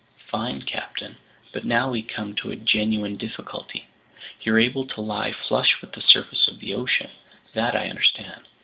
"Fine, captain, but now we come to a genuine difficulty. You're able to lie flush with the surface of the ocean, that I understand.